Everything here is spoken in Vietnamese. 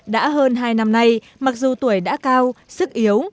đã hơn hai năm nay mặc dù tuổi đã cao sức yếu